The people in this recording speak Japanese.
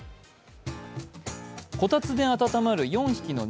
こたつで温まる４匹の猫。